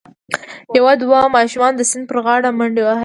یو دوه ماشومانو د سیند پر غاړه منډې وهلي.